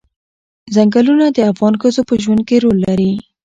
ځنګلونه د افغان ښځو په ژوند کې رول لري.